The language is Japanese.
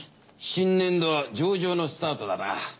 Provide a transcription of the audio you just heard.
新年度は上々のスタートだな。